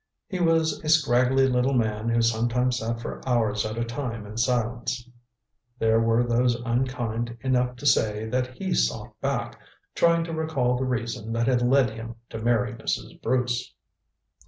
He was a scraggly little man who sometimes sat for hours at a time in silence. There were those unkind enough to say that he sought back, trying to recall the reason that had led him to marry Mrs. Bruce.